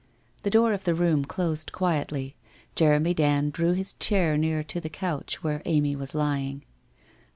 The door of the room closed quietly. Jeremy Dand drew his chair nearer to the couch where Amy was lying.